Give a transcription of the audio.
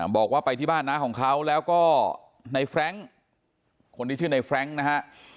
บอกว่าไปที่บ้านน้าของเขาแล้วก็ในแฟรงค์คนที่ชื่อในแฟรงค์นะฮะ